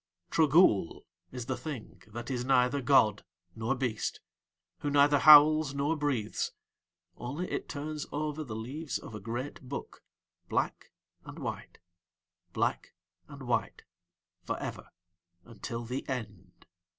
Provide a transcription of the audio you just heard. Trogool is the Thing that is neither god nor beast, who neither howls nor breathes, only It turns over the leaves of a great book, black and white, black and white for ever until THE END.